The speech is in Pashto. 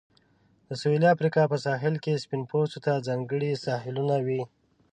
د سویلي افریقا په ساحل کې سپین پوستو ته ځانګړي ساحلونه وې.